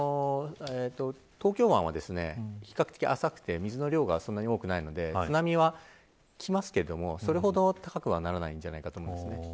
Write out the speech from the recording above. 東京湾は比較的浅くて水の量がそんなに多くないので津波はきますが、それほど高くはならないんじゃないかと思います。